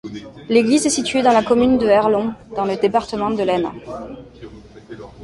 L'église est située sur la commune de Erlon, dans le département de l'Aisne.